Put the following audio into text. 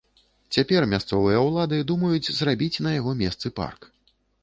Цяпер мясцовыя ўлады думаюць зрабіць на яго месцы парк.